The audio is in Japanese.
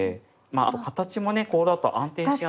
まああと形もねこれだと安定しやすいので。